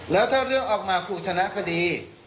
แล้วถ้าเรื่องออกมาคุณชนะคดี